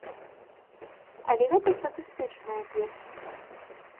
Але гэта статыстычныя звесткі.